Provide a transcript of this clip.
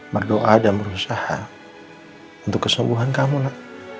berdoa dan berusaha untuk keseluruhan kamu nak